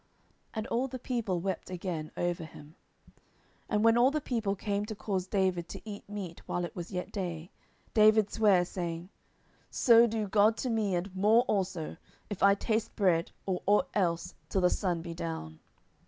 And all the people wept again over him. 10:003:035 And when all the people came to cause David to eat meat while it was yet day, David sware, saying, So do God to me, and more also, if I taste bread, or ought else, till the sun be down.